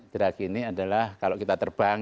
gerak ini adalah kalau kita terbang